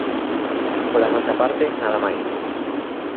Pola nosa parte nada máis.